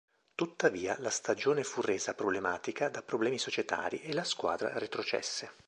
Tuttavia la stagione fu resa problematica da problemi societari, e la squadra retrocesse.